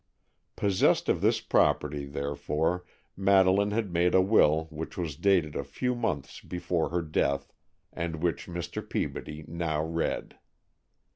Possessed of this property, therefore, Madeleine had made a will which was dated a few months before her death, and which Mr. Peabody now read.